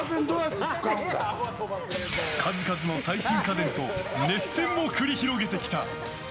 数々の最新家電と熱戦を繰り広げてきた！